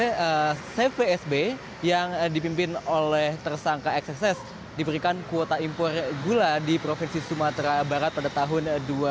dan cvsb yang dipimpin oleh tersangka xss diberikan kuota impor gula di provinsi sumatera barat pada tahun dua ribu enam belas